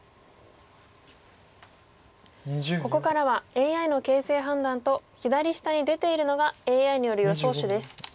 ここからはＡＩの形勢判断と左下に出ているのがＡＩによる予想手です。